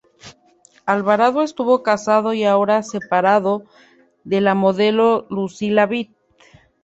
Alvarado estuvo casado y ahora separado de la modelo Lucila Vit.